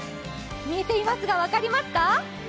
見えていますが、分かりますか？